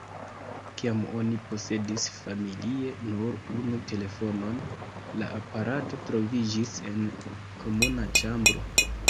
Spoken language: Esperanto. Kiam oni posedis familie nur unu telefonon, la aparato troviĝis en komuna ĉambro.